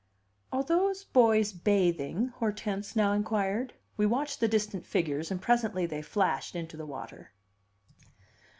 "Are those boys bathing?" Hortense now inquired. We watched the distant figures, and presently they flashed into the water.